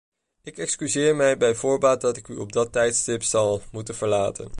Ik excuseer mij bij voorbaat dat ik u op dat tijdstip zal moeten verlaten.